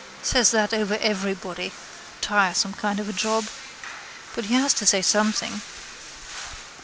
Says that over everybody. Tiresome kind of a job. But he has to say something.